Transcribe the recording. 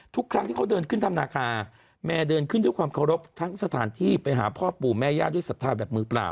ทุกครั้งที่เขาเดินขึ้นถ้ำนาคาแม่เดินขึ้นด้วยความเคารพทั้งสถานที่ไปหาพ่อปู่แม่ย่าด้วยศรัทธาแบบมือเปล่า